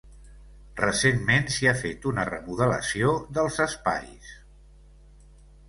Recentment, s'hi ha fet una remodelació dels espais.